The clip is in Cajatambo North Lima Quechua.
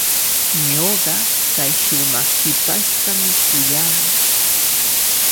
Ñuqa kay shumaq hipashtami kuyaa.